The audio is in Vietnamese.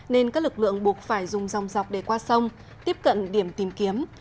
nên các lực lượng buộc phải dùng dòng dọc để qua sông tiếp cận điểm tìm kiếm